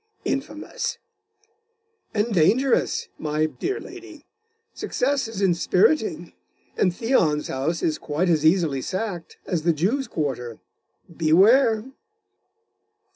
'Infamous!' 'And dangerous, my dear lady. Success is inspiriting.... and Theon's house is quite as easily sacked, as the Jews' quarter.... Beware.